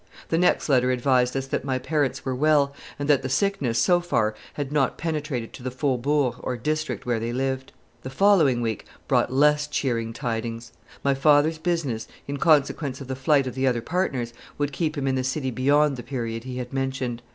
The next letter advised us that my parents were well, and that the sickness, so far, had not penetrated to the faubourg, or district, where they lived. The following week brought less cheering tidings. My father's business, in consequence of the flight of the other partners, would keep him in the city beyond the period he had mentioned.